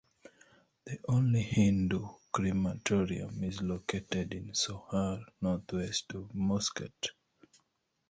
The only Hindu crematorium is located in Sohar, northwest of Muscat.